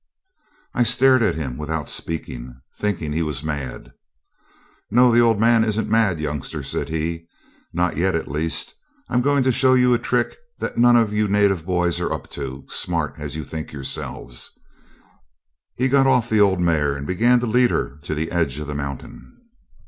I stared at him, without speaking, thinking was he mad. 'No! the old man isn't mad, youngster,' he said; 'not yet, at least. I'm going to show you a trick that none of you native boys are up to, smart as you think yourselves.' Here he got off the old mare, and began to lead her to the edge of the mountain.